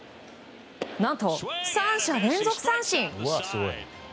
何と３者連続三振！